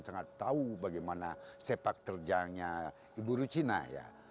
sangat tahu bagaimana sepak terjangnya ibu ruchina ya